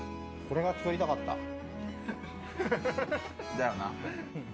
だよな。